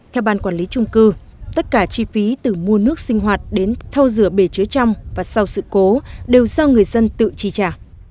theo ban quản lý trung cư tất cả chi phí từ mua nước sinh hoạt đến thâu rửa bể chứa trăm và sau sự cố đều do người dân tự chi trả